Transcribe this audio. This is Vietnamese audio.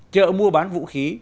chợ mua bán vũ khí